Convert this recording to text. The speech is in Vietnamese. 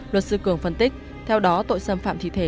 luật sư cường phân tích theo đó tội xâm phạm thi thể